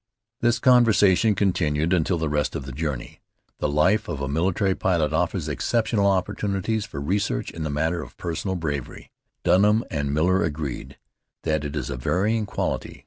This conversation continued during the rest of the journey. The life of a military pilot offers exceptional opportunities for research in the matter of personal bravery. Dunham and Miller agreed that it is a varying quality.